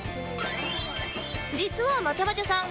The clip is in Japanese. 実はまちゃまちゃさん